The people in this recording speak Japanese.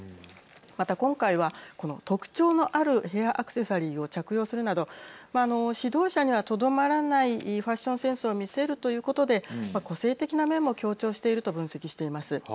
また今回は、この特徴のあるヘアアクセサリーを着用するなど指導者にはとどまらないファッションセンスを見せるということで個性的な面も強調していると分析しています。